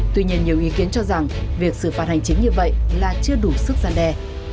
tuy nhiên nhiều ý kiến cho rằng việc xử phạt hành chính như vậy là chưa đủ sức gian đe